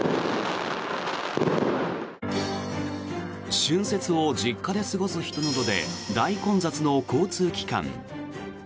春節を実家で過ごす人などで大混雑の交通機関。